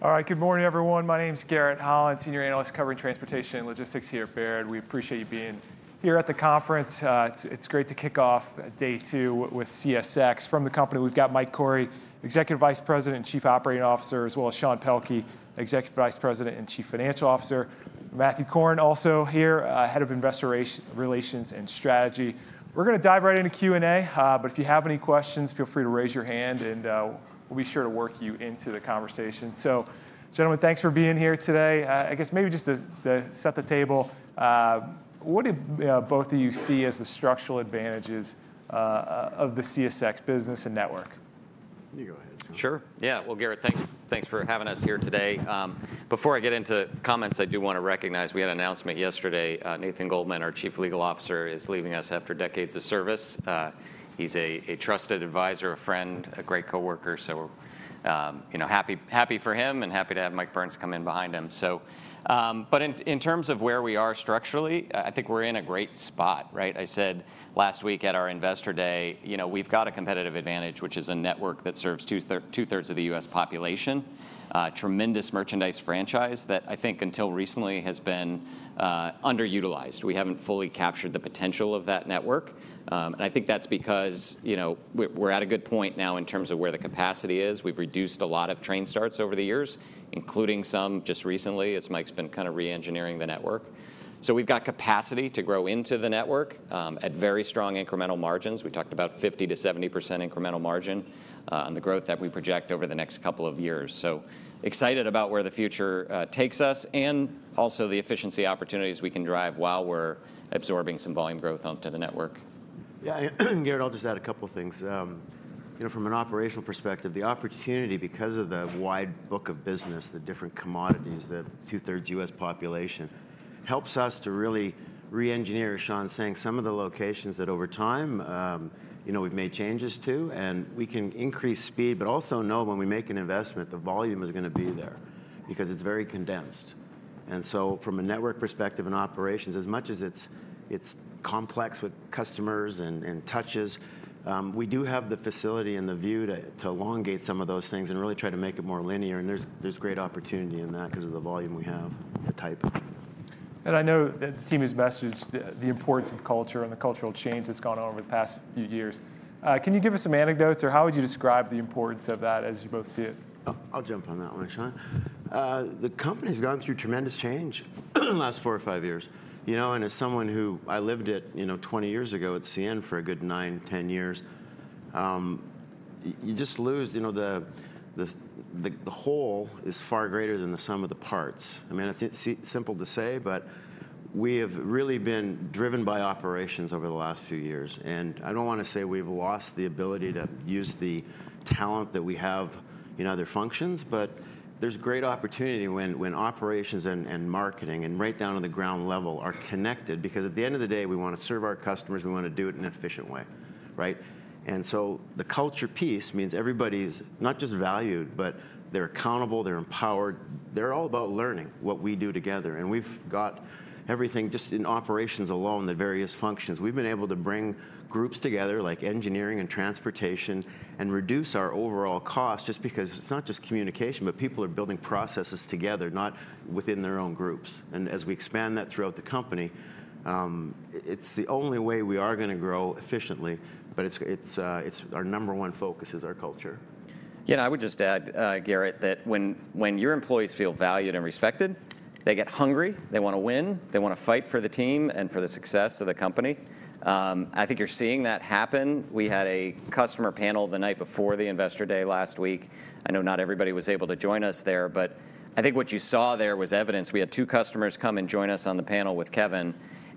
All right, good morning, everyone. My name's Garrett Holland, Senior Analyst covering transportation and logistics here at Baird. We appreciate you being here at the conference. It's great to kick off day two with CSX. From the company, we've got Mike Cory, Executive Vice President and Chief Operating Officer, as well as Sean Pelkey, Executive Vice President and Chief Financial Officer. Matthew Korn also here, Head of Investor Relations and Strategy. We're going to dive right into Q&A, but if you have any questions, feel free to raise your hand, and we'll be sure to work you into the conversation. So, gentlemen, thanks for being here today. I guess maybe just to set the table, what do both of you see as the structural advantages of the CSX business and network? You go ahead. Sure. Yeah, well, Garrett, thanks for having us here today. Before I get into comments, I do want to recognize we had an announcement yesterday. Nathan Goldman, our Chief Legal Officer, is leaving us after decades of service. He's a trusted advisor, a friend, a great coworker. So, you know, happy for him and happy to have Mike Burns come in behind him. So, but in terms of where we are structurally, I think we're in a great spot, right? I said last week at our Investor Day, you know, we've got a competitive advantage, which is a network that serves two-thirds of the U.S. population, a tremendous merchandise franchise that I think until recently has been underutilized. We haven't fully captured the potential of that network. And I think that's because, you know, we're at a good point now in terms of where the capacity is. We've reduced a lot of train starts over the years, including some just recently as Mike's been kind of re-engineering the network, so we've got capacity to grow into the network at very strong incremental margins. We talked about 50%-70% incremental margin on the growth that we project over the next couple of years, so excited about where the future takes us and also the efficiency opportunities we can drive while we're absorbing some volume growth onto the network. Yeah, Garrett, I'll just add a couple of things. You know, from an operational perspective, the opportunity, because of the wide book of business, the different commodities, the two-thirds U.S. population, helps us to really re-engineer, as Sean's saying, some of the locations that over time, you know, we've made changes to. And we can increase speed, but also know when we make an investment, the volume is going to be there because it's very condensed. And so from a network perspective and operations, as much as it's complex with customers and touches, we do have the facility and the view to elongate some of those things and really try to make it more linear. And there's great opportunity in that because of the volume we have, the type. I know that the team has messaged the importance of culture and the cultural change that's gone on over the past few years. Can you give us some anecdotes, or how would you describe the importance of that as you both see it? I'll jump on that one, Sean. The company's gone through tremendous change in the last four or five years. You know, and as someone who lived it, you know, 20 years ago at CN for a good nine, ten years, you just lose, you know, the whole is far greater than the sum of the parts. I mean, it's simple to say, but we have really been driven by operations over the last few years. And I don't want to say we've lost the ability to use the talent that we have in other functions, but there's great opportunity when operations and marketing and right down to the ground level are connected because at the end of the day, we want to serve our customers. We want to do it in an efficient way, right? And so the culture piece means everybody's not just valued, but they're accountable, they're empowered. They're all about learning what we do together. And we've got everything just in operations alone, the various functions. We've been able to bring groups together like engineering and transportation and reduce our overall cost just because it's not just communication, but people are building processes together, not within their own groups. And as we expand that throughout the company, it's the only way we are going to grow efficiently, but our number one focus is our culture. Yeah, and I would just add, Garrett, that when your employees feel valued and respected, they get hungry, they want to win, they want to fight for the team and for the success of the company. I think you're seeing that happen. We had a customer panel the night before the Investor Day last week. I know not everybody was able to join us there, but I think what you saw there was evidence. We had two customers come and join us on the panel with Kevin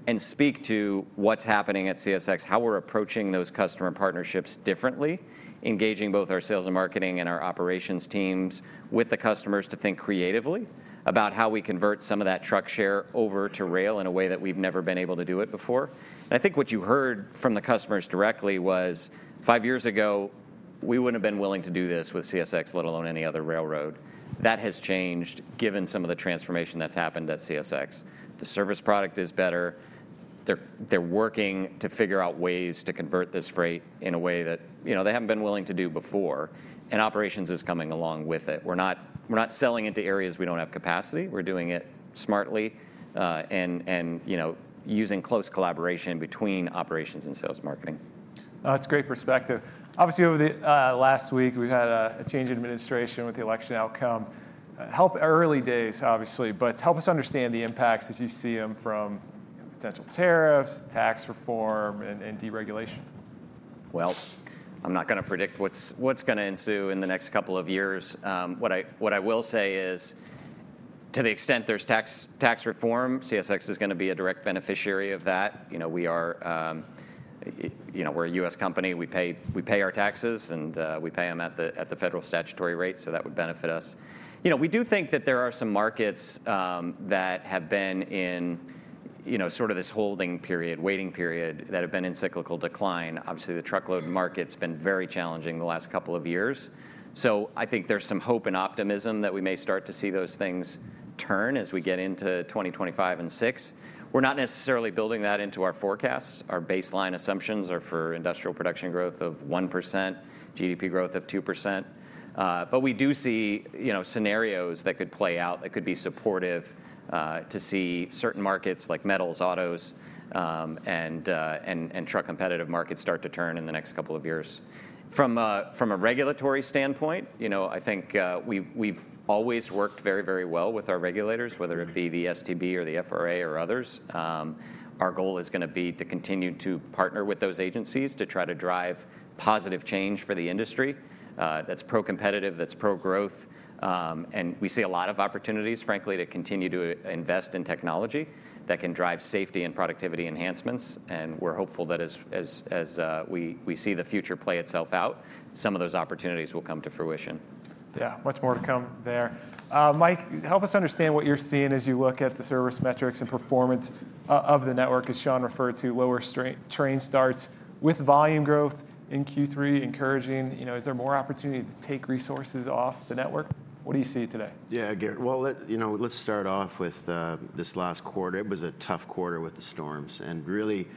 and speak to what's happening at CSX, how we're approaching those customer partnerships differently, engaging both our sales and marketing and our operations teams with the customers to think creatively about how we convert some of that truck share over to rail in a way that we've never been able to do it before. I think what you heard from the customers directly was five years ago, we wouldn't have been willing to do this with CSX, let alone any other railroad. That has changed given some of the transformation that's happened at CSX. The service product is better. They're working to figure out ways to convert this freight in a way that, you know, they haven't been willing to do before. And operations is coming along with it. We're not selling into areas we don't have capacity. We're doing it smartly and, you know, using close collaboration between operations and sales and marketing. That's great perspective. Obviously, over the last week, we've had a change in administration with the election outcome. It's early days, obviously, but help us understand the impacts as you see them from potential tariffs, tax reform, and deregulation? I'm not going to predict what's going to ensue in the next couple of years. What I will say is to the extent there's tax reform, CSX is going to be a direct beneficiary of that. You know, we are, you know, we're a U.S. company. We pay our taxes and we pay them at the federal statutory rate, so that would benefit us. You know, we do think that there are some markets that have been in, you know, sort of this holding period, waiting period that have been in cyclical decline. Obviously, the truckload market's been very challenging the last couple of years. So I think there's some hope and optimism that we may start to see those things turn as we get into 2025 and 2026. We're not necessarily building that into our forecasts. Our baseline assumptions are for industrial production growth of 1%, GDP growth of 2%. But we do see, you know, scenarios that could play out that could be supportive to see certain markets like metals, autos, and truck competitive markets start to turn in the next couple of years. From a regulatory standpoint, you know, I think we've always worked very, very well with our regulators, whether it be the STB or the FRA or others. Our goal is going to be to continue to partner with those agencies to try to drive positive change for the industry that's pro-competitive, that's pro-growth. And we see a lot of opportunities, frankly, to continue to invest in technology that can drive safety and productivity enhancements. And we're hopeful that as we see the future play itself out, some of those opportunities will come to fruition. Yeah, much more to come there. Mike, help us understand what you're seeing as you look at the service metrics and performance of the network, as Sean referred to, lower train starts with volume growth in Q3 encouraging. You know, is there more opportunity to take resources off the network? What do you see today? Yeah, Garrett, well, you know, let's start off with this last quarter. It was a tough quarter with the storms. And really,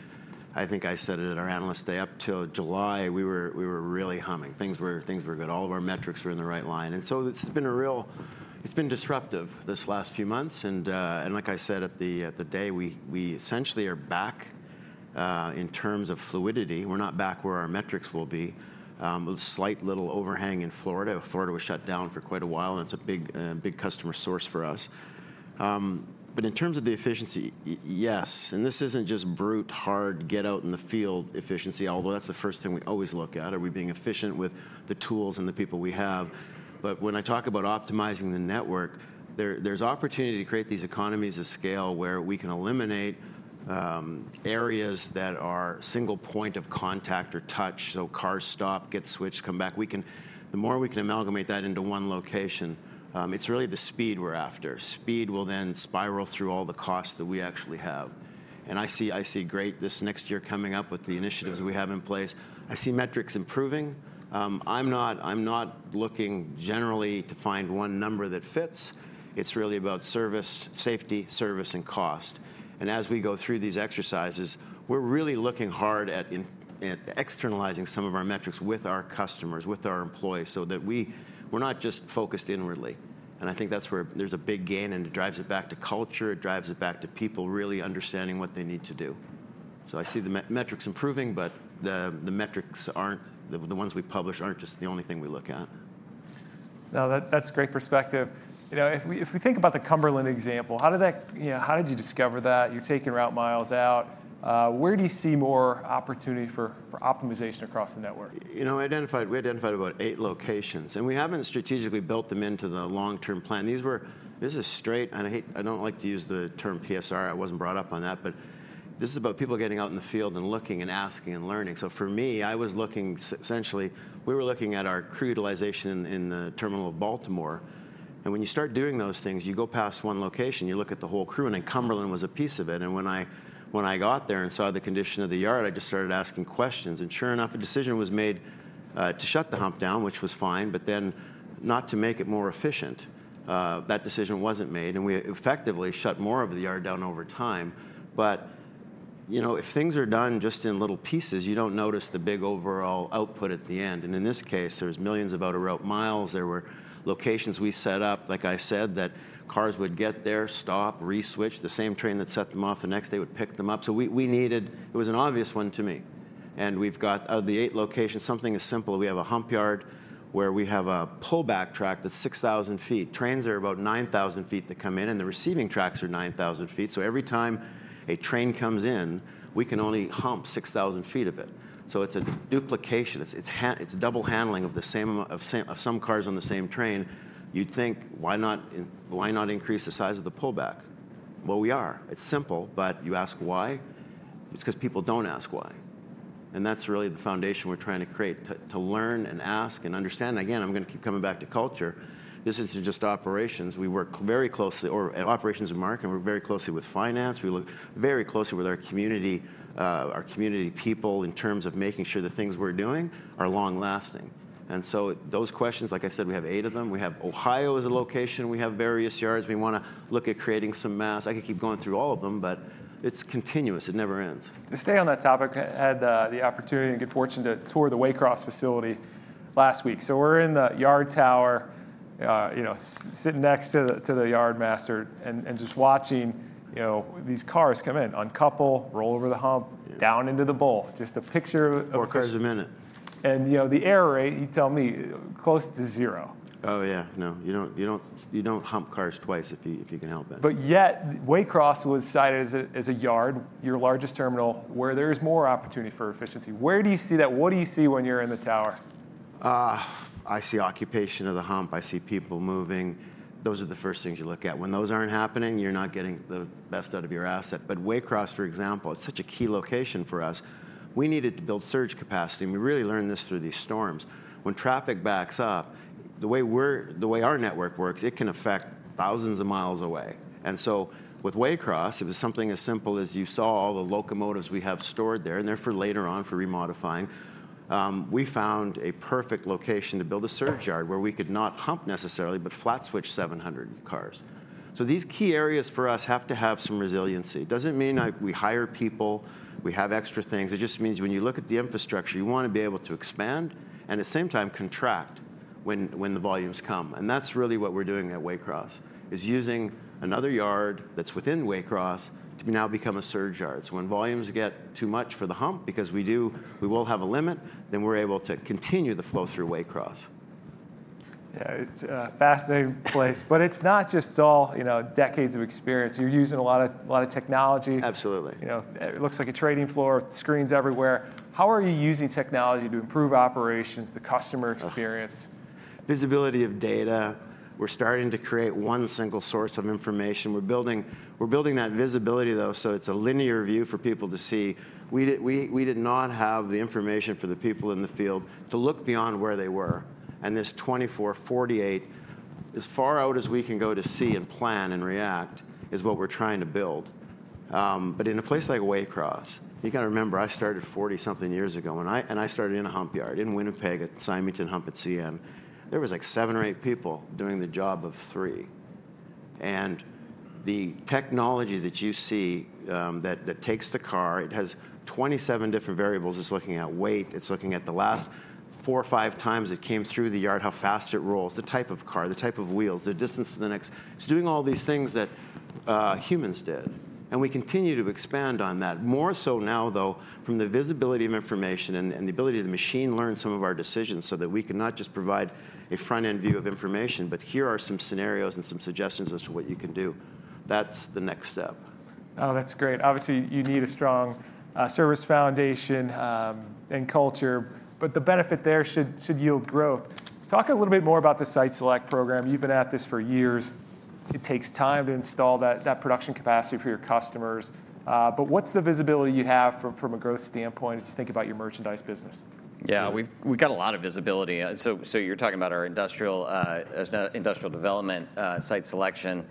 I think I said it at our Analyst Day, up till July, we were really humming. Things were good. All of our metrics were in the right line. And so it's been a real, it's been disruptive this last few months. And like I said at the day, we essentially are back in terms of fluidity. We're not back where our metrics will be. A slight little overhang in Florida. Florida was shut down for quite a while, and it's a big customer source for us. But in terms of the efficiency, yes. And this isn't just brute, hard, get out in the field efficiency, although that's the first thing we always look at. Are we being efficient with the tools and the people we have? When I talk about optimizing the network, there's opportunity to create these economies of scale where we can eliminate areas that are single point of contact or touch. So cars stop, get switched, come back. The more we can amalgamate that into one location, it's really the speed we're after. Speed will then spiral through all the costs that we actually have. And I see great this next year coming up with the initiatives we have in place. I see metrics improving. I'm not looking generally to find one number that fits. It's really about service, safety, service, and cost. And as we go through these exercises, we're really looking hard at externalizing some of our metrics with our customers, with our employees, so that we're not just focused inwardly. And I think that's where there's a big gain, and it drives it back to culture. It drives it back to people really understanding what they need to do. So I see the metrics improving, but the metrics aren't, the ones we publish aren't just the only thing we look at. Now, that's great perspective. You know, if we think about the Cumberland example, how did that, you know, how did you discover that? You're taking route miles out. Where do you see more opportunity for optimization across the network? You know, we identified about eight locations, and we haven't strategically built them into the long-term plan. This is straight, and I don't like to use the term PSR. I wasn't brought up on that, but this is about people getting out in the field and looking and asking and learning. So for me, I was looking essentially, we were looking at our crew utilization in the terminal of Baltimore. And when you start doing those things, you go past one location, you look at the whole crew, and then Cumberland was a piece of it. And when I got there and saw the condition of the yard, I just started asking questions. And sure enough, a decision was made to shut the hump down, which was fine, but then not to make it more efficient. That decision wasn't made, and we effectively shut more of the yard down over time. But, you know, if things are done just in little pieces, you don't notice the big overall output at the end. And in this case, there were millions of out-of-route miles. There were locations we set up, like I said, that cars would get there, stop, reswitch, the same train that set them off the next day would pick them up. So we needed, it was an obvious one to me. And we've got out of the eight locations, something as simple. We have a hump yard where we have a pullback track that's 6,000 ft. Trains are about 9,000 ft to come in, and the receiving tracks are 9,000 ft. So every time a train comes in, we can only hump 6,000 ft of it. So it's a duplication. It's double handling of some cars on the same train. You'd think, why not increase the size of the pullback? Well, we are. It's simple, but you ask why? It's because people don't ask why. And that's really the foundation we're trying to create to learn and ask and understand. And again, I'm going to keep coming back to culture. This isn't just operations. We work very closely with operations and marketing. We work very closely with finance. We work very closely with our community, our community people in terms of making sure the things we're doing are long-lasting. And so those questions, like I said, we have eight of them. We have Ohio as a location. We have various yards. We want to look at creating some mass. I could keep going through all of them, but it's continuous. It never ends. To stay on that topic, I had the opportunity and good fortune to tour the Waycross facility last week, so we're in the yard tower, you know, sitting next to the yard master and just watching, you know, these cars come in, uncouple, roll over the hump, down into the bowl, just a picture of cars. Four cars a minute. You know, the error rate, you tell me, close to zero. Oh, yeah. No, you don't hump cars twice if you can help it. But yet, Waycross was cited as a yard, your largest terminal, where there is more opportunity for efficiency. Where do you see that? What do you see when you're in the tower? I see occupation of the hump. I see people moving. Those are the first things you look at. When those aren't happening, you're not getting the best out of your asset, but Waycross, for example, it's such a key location for us. We needed to build surge capacity, and we really learned this through these storms. When traffic backs up, the way our network works, it can affect thousands of miles away, and so with Waycross, it was something as simple as you saw all the locomotives we have stored there, and they're for later on for remodifying. We found a perfect location to build a surge yard where we could not hump necessarily, but flat switch 700 cars, so these key areas for us have to have some resiliency. It doesn't mean we hire people, we have extra things. It just means when you look at the infrastructure, you want to be able to expand and at the same time contract when the volumes come, and that's really what we're doing at Waycross, is using another yard that's within Waycross to now become a surge yard, so when volumes get too much for the hump, because we do, we will have a limit, then we're able to continue the flow through Waycross. Yeah, it's a fascinating place, but it's not just all, you know, decades of experience. You're using a lot of technology. Absolutely. You know, it looks like a trading floor, screens everywhere. How are you using technology to improve operations, the customer experience? Visibility of data. We're starting to create one single source of information. We're building that visibility, though, so it's a linear view for people to see. We did not have the information for the people in the field to look beyond where they were, and this 24, 48, as far out as we can go to see and plan and react is what we're trying to build, but in a place like Waycross, you got to remember, I started 40-something years ago, and I started in a hump yard in Winnipeg at Symington Yard at CN. There was like seven or eight people doing the job of three, and the technology that you see that takes the car, it has 27 different variables. It's looking at weight. It's looking at the last four or five times it came through the yard, how fast it rolls, the type of car, the type of wheels, the distance to the next. It's doing all these things that humans did, and we continue to expand on that. More so now, though, from the visibility of information and the ability to machine learn some of our decisions so that we can not just provide a front-end view of information, but here are some scenarios and some suggestions as to what you can do. That's the next step. Oh, that's great. Obviously, you need a strong service foundation and culture, but the benefit there should yield growth. Talk a little bit more about the Select Sites program. You've been at this for years. It takes time to install that production capacity for your customers. But what's the visibility you have from a growth standpoint as you think about your merchandise business? Yeah, we've got a lot of visibility. So you're talking about our Industrial Development site selection.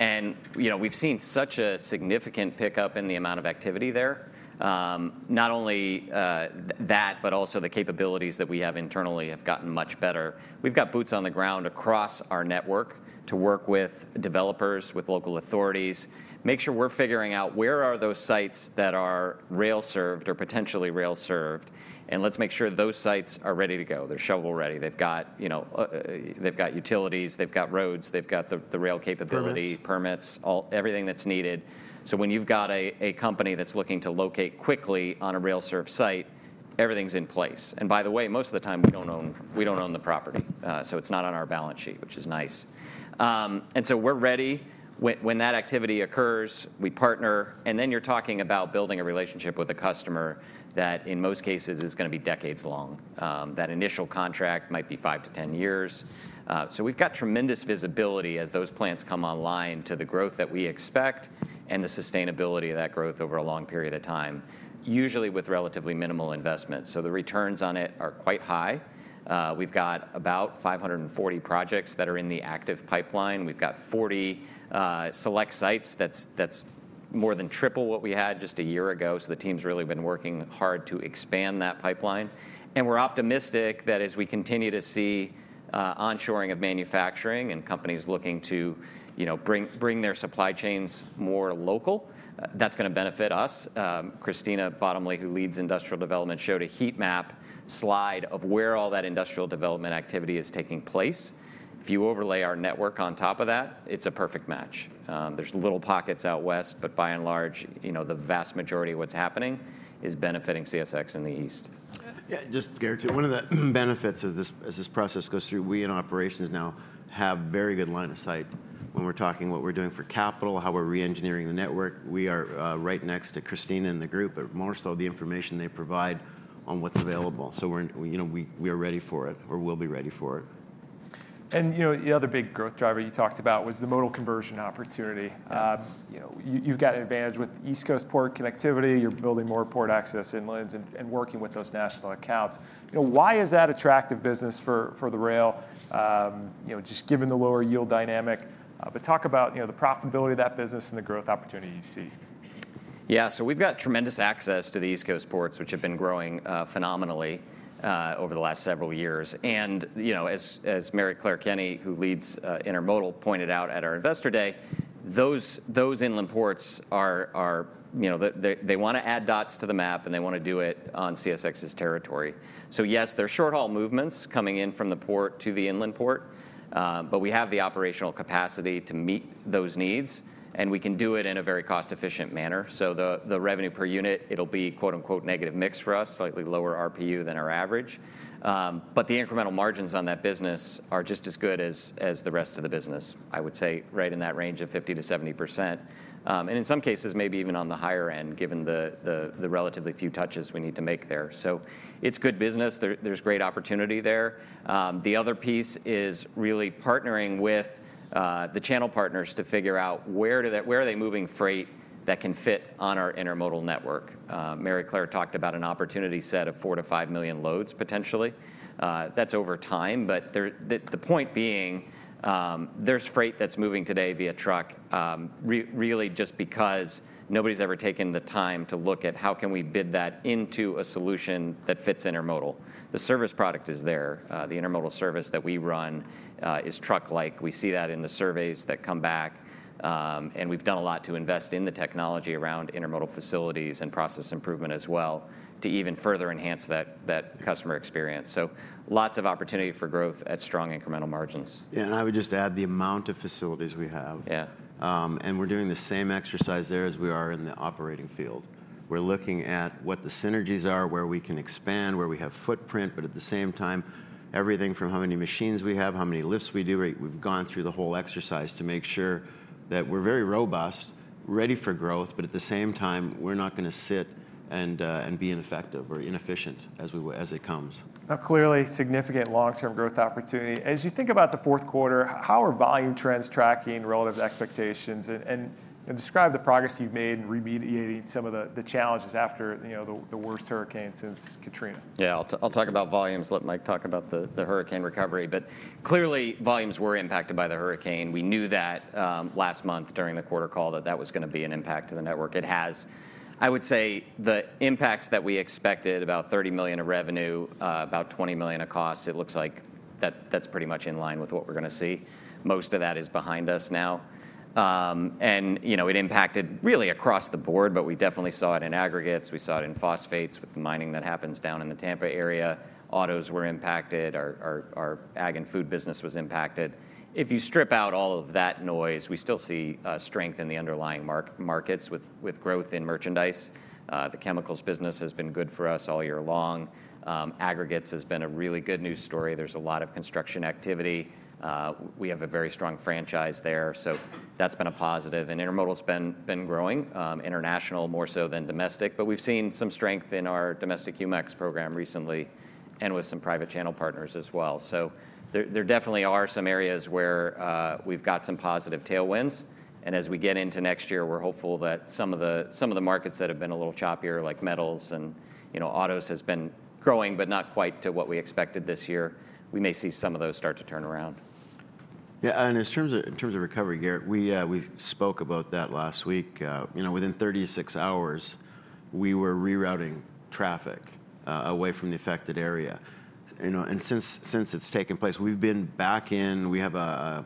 And, you know, we've seen such a significant pickup in the amount of activity there. Not only that, but also the capabilities that we have internally have gotten much better. We've got boots on the ground across our network to work with developers, with local authorities, make sure we're figuring out where are those sites that are rail-served or potentially rail-served. And let's make sure those sites are ready to go. They're shovel-ready. They've got utilities, they've got roads, they've got the rail capability, permits, everything that's needed. So when you've got a company that's looking to locate quickly on a rail-served site, everything's in place. And by the way, most of the time we don't own the property, so it's not on our balance sheet, which is nice. And so we're ready. When that activity occurs, we partner, and then you're talking about building a relationship with a customer that in most cases is going to be decades long. That initial contract might be five to 10 years, so we've got tremendous visibility as those plants come online to the growth that we expect and the sustainability of that growth over a long period of time, usually with relatively minimal investment. So the returns on it are quite high. We've got about 540 projects that are in the active pipeline. We've got 40 Select Sites that's more than triple what we had just a year ago, so the team's really been working hard to expand that pipeline, and we're optimistic that as we continue to see onshoring of manufacturing and companies looking to bring their supply chains more local, that's going to benefit us. Christina Bottomley, who leads Industrial Development, showed a heat map slide of where all that Industrial Development activity is taking place. If you overlay our network on top of that, it's a perfect match. There's little pockets out west, but by and large, you know, the vast majority of what's happening is benefiting CSX in the east. Yeah, just to guarantee, one of the benefits as this process goes through, we in operations now have very good line of sight when we're talking what we're doing for capital, how we're re-engineering the network. We are right next to Christina and the group, but more so the information they provide on what's available. So we are ready for it, or we'll be ready for it. You know, the other big growth driver you talked about was the modal conversion opportunity. You've got an advantage with East Coast port connectivity. You're building more port access inlands and working with those national accounts. You know, why is that attractive business for the rail, you know, just given the lower yield dynamic? Talk about, you know, the profitability of that business and the growth opportunity you see. Yeah, so we've got tremendous access to the East Coast ports, which have been growing phenomenally over the last several years, and you know, as Maryclare Kenney, who leads Intermodal, pointed out at our investor day, those inland ports are, you know, they want to add dots to the map, and they want to do it on CSX's territory. So yes, there are short-haul movements coming in from the port to the inland port, but we have the operational capacity to meet those needs, and we can do it in a very cost-efficient manner, so the revenue per unit, it'll be quote-unquote negative mix for us, slightly lower RPU than our average, but the incremental margins on that business are just as good as the rest of the business, I would say, right in that range of 50%-70%. And in some cases, maybe even on the higher end, given the relatively few touches we need to make there. So it's good business. There's great opportunity there. The other piece is really partnering with the channel partners to figure out where are they moving freight that can fit on our intermodal network. Maryclare talked about an opportunity set of four-to-five million loads potentially. That's over time, but the point being, there's freight that's moving today via truck really just because nobody's ever taken the time to look at how can we bid that into a solution that fits intermodal. The service product is there. The intermodal service that we run is truck-like. We see that in the surveys that come back, and we've done a lot to invest in the technology around intermodal facilities and process improvement as well to even further enhance that customer experience. So lots of opportunity for growth at strong incremental margins. Yeah, and I would just add the amount of facilities we have. And we're doing the same exercise there as we are in the operating field. We're looking at what the synergies are, where we can expand, where we have footprint, but at the same time, everything from how many machines we have, how many lifts we do. We've gone through the whole exercise to make sure that we're very robust, ready for growth, but at the same time, we're not going to sit and be ineffective or inefficient as it comes. Now, clearly, significant long-term growth opportunity. As you think about the fourth quarter, how are volume trends tracking relative to expectations, and describe the progress you've made in remediating some of the challenges after the worst hurricane since Katrina? Yeah, I'll talk about volumes. Let Mike talk about the hurricane recovery. But clearly, volumes were impacted by the hurricane. We knew that last month during the quarter call that that was going to be an impact to the network. It has, I would say, the impacts that we expected, about $30 million of revenue, about $20 million of costs. It looks like that's pretty much in line with what we're going to see. Most of that is behind us now. And, you know, it impacted really across the board, but we definitely saw it in aggregates. We saw it in phosphates with the mining that happens down in the Tampa area. Autos were impacted. Our ag and food business was impacted. If you strip out all of that noise, we still see strength in the underlying markets with growth in merchandise. The chemicals business has been good for us all year long. Aggregates has been a really good news story. There's a lot of construction activity. We have a very strong franchise there, so that's been a positive, and intermodal has been growing, international more so than domestic, but we've seen some strength in our domestic UMAX program recently and with some private channel partners as well, so there definitely are some areas where we've got some positive tailwinds. And as we get into next year, we're hopeful that some of the markets that have been a little choppier, like metals and autos, have been growing, but not quite to what we expected this year. We may see some of those start to turn around. Yeah, and in terms of recovery, Garrett, we spoke about that last week. You know, within 36 hours, we were rerouting traffic away from the affected area. And since it's taken place, we've been back in. We have, I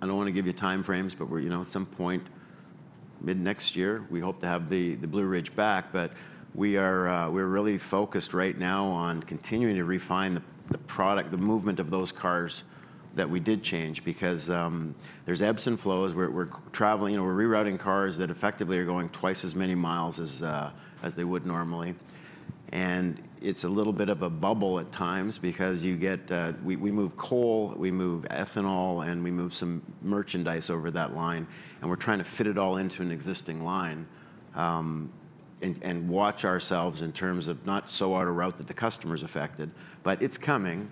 don't want to give you time frames, but we're, you know, at some point mid-next year, we hope to have the Blue Ridge back. But we are really focused right now on continuing to refine the product, the movement of those cars that we did change because there's ebbs and flows. We're traveling, we're rerouting cars that effectively are going twice as many miles as they would normally. And it's a little bit of a bubble at times because you get, we move coal, we move ethanol, and we move some merchandise over that line. And we're trying to fit it all into an existing line and watch ourselves in terms of not so out of route that the customer's affected, but it's coming.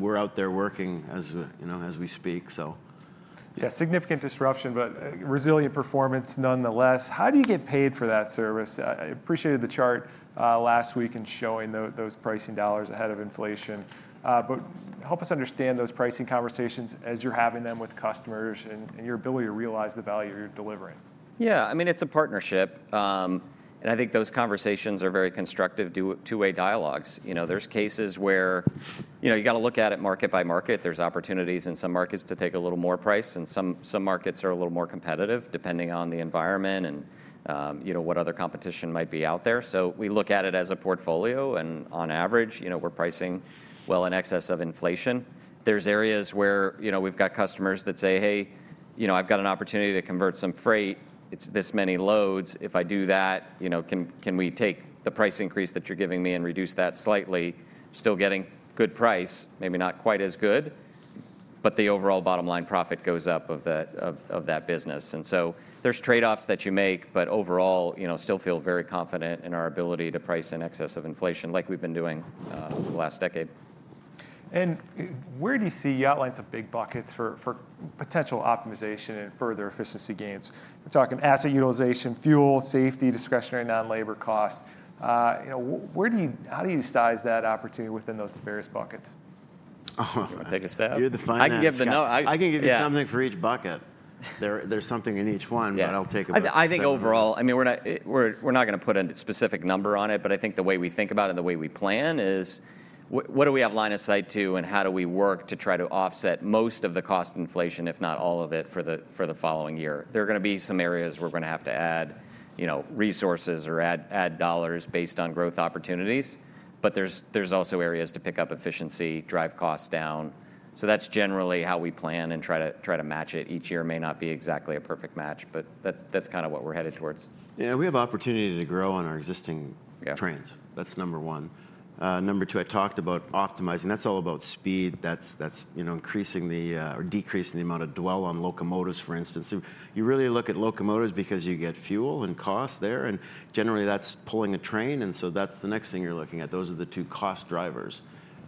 We're out there working as we speak, so. Yeah, significant disruption, but resilient performance nonetheless. How do you get paid for that service? I appreciated the chart last week in showing those pricing dollars ahead of inflation. But help us understand those pricing conversations as you're having them with customers and your ability to realize the value you're delivering. Yeah, I mean, it's a partnership. And I think those conversations are very constructive two-way dialogues. You know, there's cases where you got to look at it market by market. There's opportunities in some markets to take a little more price, and some markets are a little more competitive depending on the environment and what other competition might be out there. So we look at it as a portfolio, and on average, we're pricing well in excess of inflation. There's areas where we've got customers that say, "Hey, you know, I've got an opportunity to convert some freight. It's this many loads. If I do that, can we take the price increase that you're giving me and reduce that slightly?" Still getting good price, maybe not quite as good, but the overall bottom line profit goes up of that business. There's trade-offs that you make, but overall, still feel very confident in our ability to price in excess of inflation like we've been doing the last decade. And where do you see, you outlined some big buckets for potential optimization and further efficiency gains? We're talking asset utilization, fuel, safety, discretionary non-labor costs. How do you size that opportunity within those various buckets? Take a stab. You're the finalist. I can give you something for each bucket. There's something in each one, but I'll take a bucket. I think overall, I mean, we're not going to put a specific number on it, but I think the way we think about it and the way we plan is what do we have line of sight to and how do we work to try to offset most of the cost inflation, if not all of it, for the following year? There are going to be some areas we're going to have to add resources or add dollars based on growth opportunities, but there's also areas to pick up efficiency, drive costs down. So that's generally how we plan and try to match it. Each year may not be exactly a perfect match, but that's kind of what we're headed towards. Yeah, we have opportunity to grow on our existing trains. That's number one. Number two, I talked about optimizing. That's all about speed. That's increasing or decreasing the amount of dwell on locomotives, for instance. You really look at locomotives because you get fuel and cost there, and generally that's pulling a train. And so that's the next thing you're looking at. Those are the two cost drivers.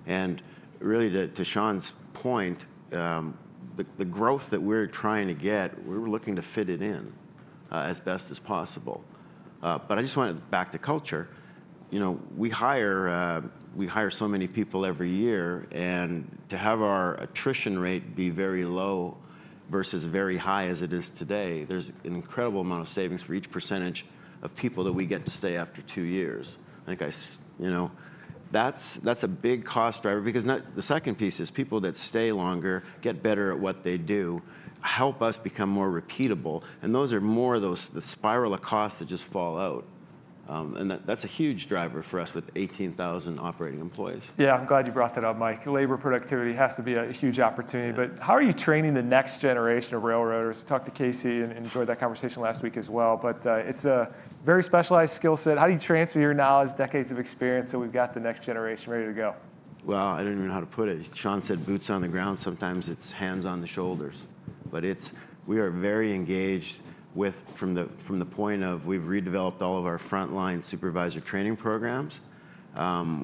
And really, to Sean's point, the growth that we're trying to get, we're looking to fit it in as best as possible. But I just want to back to culture. We hire so many people every year, and to have our attrition rate be very low versus very high as it is today, there's an incredible amount of savings for each percentage of people that we get to stay after two years. I think that's a big cost driver because the second piece is people that stay longer, get better at what they do, help us become more repeatable, and those are more of the spiral of costs that just fall out, and that's a huge driver for us with 18,000 operating employees. Yeah, I'm glad you brought that up, Mike. Labor productivity has to be a huge opportunity. But how are you training the next generation of railroaders? We talked to Casey and enjoyed that conversation last week as well. But it's a very specialized skill set. How do you transfer your knowledge, decades of experience so we've got the next generation ready to go? I don't even know how to put it. Sean said boots on the ground. Sometimes it's hands on the shoulders. But we are very engaged from the point of we've redeveloped all of our frontline supervisor training programs.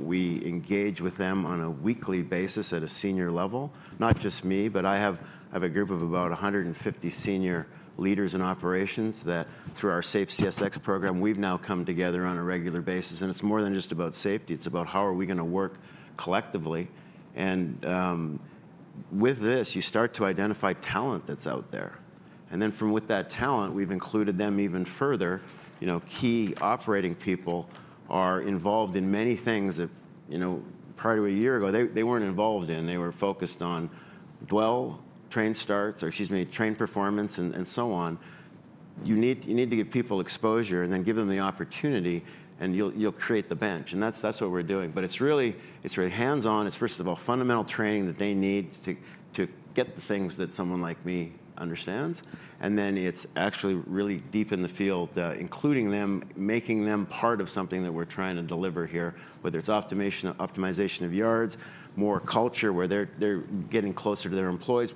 We engage with them on a weekly basis at a senior level. Not just me, but I have a group of about 150 senior leaders in operations that through our SafeCSX program, we've now come together on a regular basis. And it's more than just about safety. It's about how are we going to work collectively. And with this, you start to identify talent that's out there. And then from within that talent, we've included them even further. Key operating people are involved in many things that prior to a year ago, they weren't involved in. They were focused on dwell, train starts, or excuse me, train performance, and so on. You need to give people exposure and then give them the opportunity, and you'll create the bench. And that's what we're doing. But it's really hands-on. It's, first of all, fundamental training that they need to get the things that someone like me understands. And then it's actually really deep in the field, including them, making them part of something that we're trying to deliver here, whether it's optimization of yards, more culture where they're getting closer to their employees.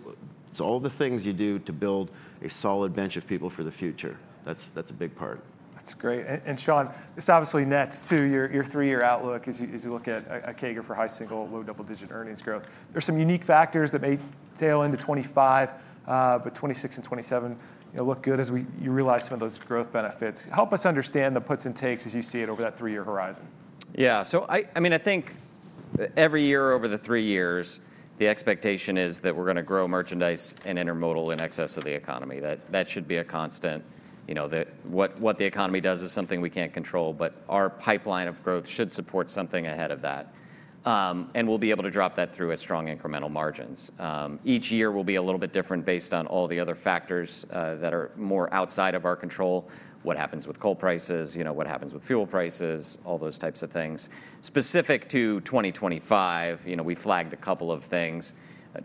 It's all the things you do to build a solid bench of people for the future. That's a big part. That's great, and Sean, this obviously nets to your three-year outlook as you look at a CAGR for high single, low double-digit earnings growth. There's some unique factors that may tail into 2025, but 2026 and 2027 look good as you realize some of those growth benefits. Help us understand the puts and takes as you see it over that three-year horizon. Yeah, so I mean, I think every year over the three years, the expectation is that we're going to grow merchandise and intermodal in excess of the economy. That should be a constant. What the economy does is something we can't control, but our pipeline of growth should support something ahead of that. And we'll be able to drop that through at strong incremental margins. Each year will be a little bit different based on all the other factors that are more outside of our control. What happens with coal prices, what happens with fuel prices, all those types of things. Specific to 2025, we flagged a couple of things.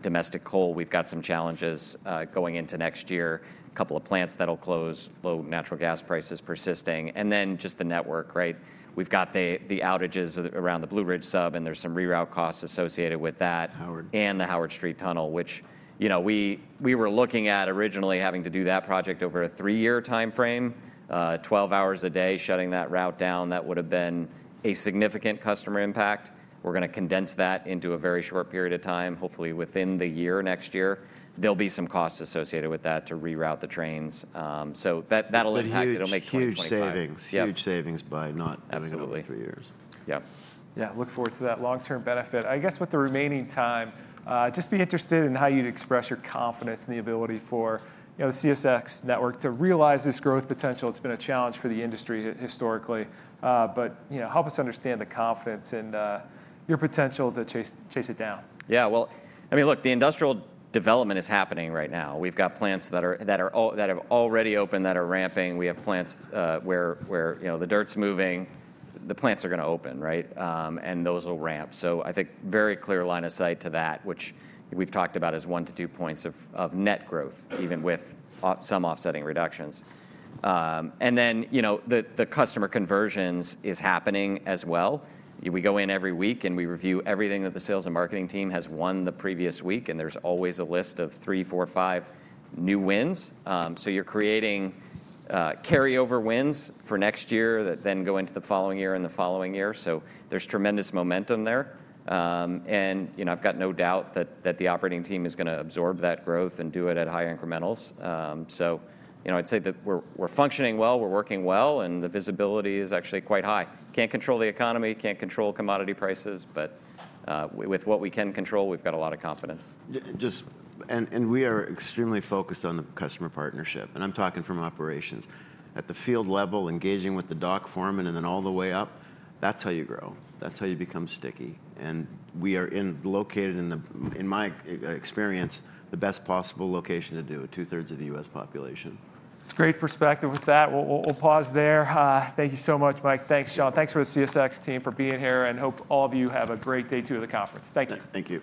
Domestic coal, we've got some challenges going into next year. A couple of plants that'll close, low natural gas prices persisting. And then just the network, right? We've got the outages around the Blue Ridge Sub, and there's some reroute costs associated with that and the Howard Street Tunnel, which we were looking at originally having to do that project over a three-year time frame. 12 hours a day shutting that route down, that would have been a significant customer impact. We're going to condense that into a very short period of time, hopefully within the year next year. There'll be some costs associated with that to reroute the trains, so that'll impact. But huge. It'll make 20 points better. Huge savings, huge savings by not having to wait three years. Absolutely. Yeah, I look forward to that long-term benefit. I guess with the remaining time, just be interested in how you'd express your confidence in the ability for the CSX network to realize this growth potential? It's been a challenge for the industry historically. But help us understand the confidence in your potential to chase it down. Yeah, well, I mean, look, the Industrial Development is happening right now. We've got plants that have already opened that are ramping. We have plants where the dirt's moving. The plants are going to open, right? And those will ramp. So I think very clear line of sight to that, which we've talked about as one to two points of net growth, even with some offsetting reductions. And then the customer conversions is happening as well. We go in every week and we review everything that the sales and marketing team has won the previous week. And there's always a list of three, four, five new wins. So you're creating carryover wins for next year that then go into the following year and the following year. So there's tremendous momentum there. And I've got no doubt that the operating team is going to absorb that growth and do it at high incrementals. So I'd say that we're functioning well, we're working well, and the visibility is actually quite high. Can't control the economy, can't control commodity prices, but with what we can control, we've got a lot of confidence. We are extremely focused on the customer partnership. I'm talking from operations. At the field level, engaging with the dock foreman and then all the way up, that's how you grow. That's how you become sticky. We are located in, in my experience, the best possible location to do it, two-thirds of the U.S. population. That's great perspective with that. We'll pause there. Thank you so much, Mike. Thanks, Sean. Thanks to the CSX team for being here and hope all of you have a great day too at the conference. Thank you. Thank you.